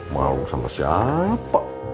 malu sama siapa